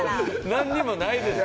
なんにもないです。